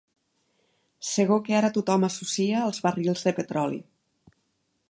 Segó que ara tothom associa als barrils de petroli.